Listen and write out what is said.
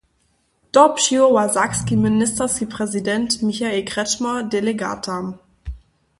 To přiwoła sakski ministerski prezident Michael Kretschmer delegatam.